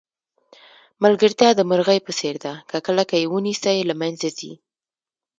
ملګرتیا د مرغۍ په څېر ده که کلکه یې ونیسئ له منځه ځي.